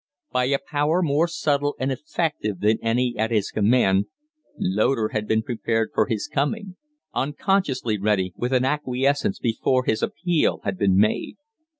By a power more subtle and effective than any at his command, Loder had been prepared for his coming unconsciously ready with an acquiescence before his appeal had been made.